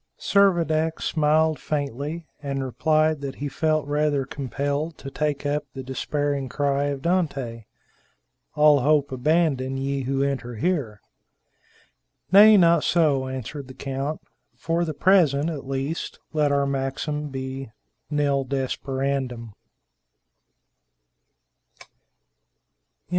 Servadac smiled faintly, and replied that he felt rather compelled to take up the despairing cry of Dante, "All hope abandon, ye who enter here." "Nay, not so," answered the count; "for the present at least, let our maxim be _Nil desperandum!